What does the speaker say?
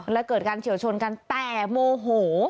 และเกิดการเฉียวชนกันแต่โมโห